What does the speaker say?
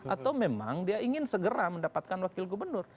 atau memang dia ingin segera mendapatkan wakil gubernur